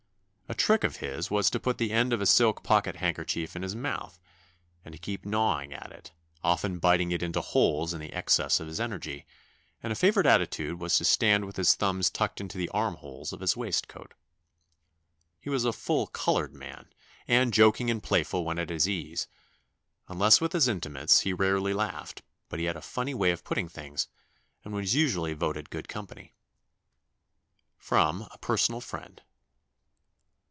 A trick of his was to put the end of a silk pocket handkerchief in his mouth and to keep gnawing at it often biting it into holes in the excess of his energy; and a favourite attitude was to stand with his thumbs tucked into the armholes of his waistcoat. He was a full coloured man, and joking and playful when at his ease. Unless with his intimates, he rarely laughed, but he had a funny way of putting things, and was usually voted good company." [Sidenote: A personal friend.